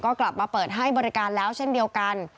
ก็กลับมาเปิดให้บริการแล้วเช่นเดียวกัน